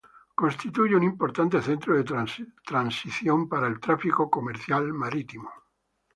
Constituye un importante centro de transición para el tráfico comercial marítimo.